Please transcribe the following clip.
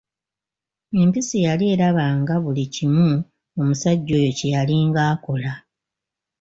Empisi yali eraba nga buli kimu omusajja oyo kye yalinga akola.